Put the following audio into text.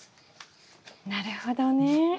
なるほどね。